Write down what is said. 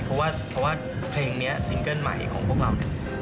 เพราะว่าเพลงนี้ซิงเกิ้ลใหม่ของพวกเราเนี่ย